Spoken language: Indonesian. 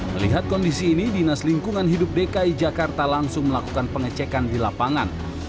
melihat kondisi ini dinas lingkungan hidup dki jakarta langsung melakukan pengecekan di lapangan